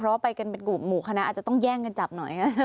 เพราะว่าไปกันเป็นกลุ่มหมู่คณะอาจจะต้องแย่งกันจับหน่อย